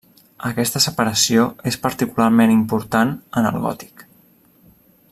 Aquesta separació és particularment important en el gòtic.